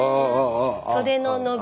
袖の伸び